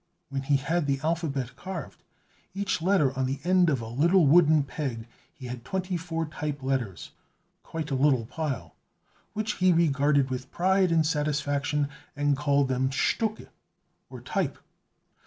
When he had the alphabet carved, each letter on the end of a little wooden peg, he had twenty four type letters, quite a little pile, which he regarded with pride and satisfaction, and called them stucke, or type.